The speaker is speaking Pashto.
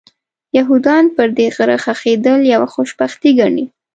یهودان پر دې غره ښخېدل یوه خوشبختي ګڼي.